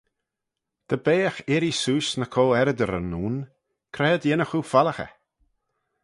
Dy beagh irree-seose ny co-earrooderyn ayn, c'raad yinnagh oo follaghey?